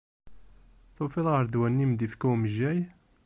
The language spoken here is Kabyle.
Tufiḍ ɣer ddwa-nni i m-d-ifka umejjay?